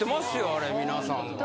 あれ皆さんは。